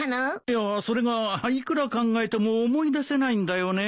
いやそれがいくら考えても思いだせないんだよね。